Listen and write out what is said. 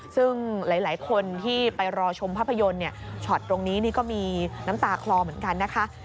ซึ่งหลายคนที่ไปรอชมภาพยนตร์เนี่ยช็อตตรงนี้นี่ก็มีน้ำตาคลอเหมือนกันนะคะ